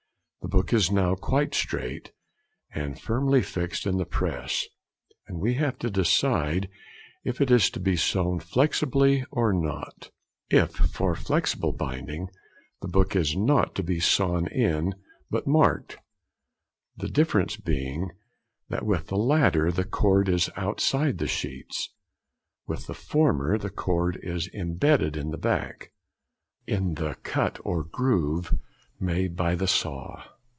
The book is now quite straight, and firmly fixed in the press, and we have to decide if it is to be sewn flexibly or not. If for flexible binding the book is not to be sawn in, but marked; the difference being, that with the latter the cord is outside the sheets; with the former the cord is imbedded in the back, in the cut or groove made by the saw.